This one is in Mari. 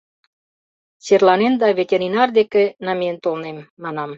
— Черланен да ветеринар деке намиен толнем, — манам.